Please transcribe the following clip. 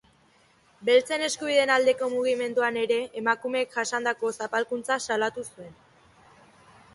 Beltzen eskubideen aldeko mugimenduan ere emakumeek jasandako zapalkuntza salatu zuen.